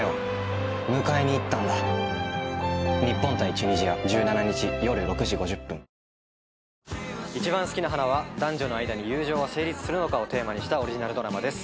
キユーピーマヨネーズ『いちばんすきな花』は男女の間に友情は成立するのかをテーマにしたオリジナルドラマです。